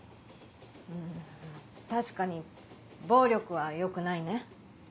うん確かに暴力はよくないね。